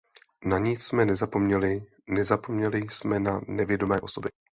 Na nic jsme nezapomněli; nezapomněli jsme na nevidomé osoby.